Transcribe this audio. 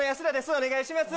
お願いします。